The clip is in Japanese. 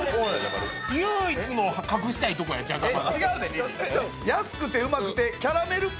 唯一の隠したいところや、じゃじゃ丸。